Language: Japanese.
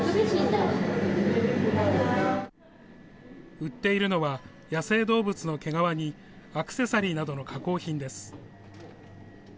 売っているのは、野生動物の毛皮にアクセサリーなどの加工品です。